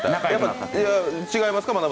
違いますか？